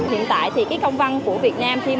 hiện tại thì cái công văn của việt nam